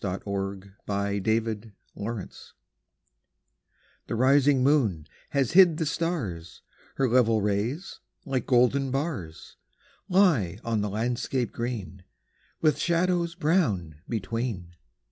20 48 ENDMYION ENDYMION The rising moon has hid the stars ; Her level rays, like golden bars, Lie on the landscape green, With shadows brown between.